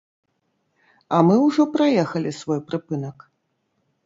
А мы ўжо праехалі свой прыпынак.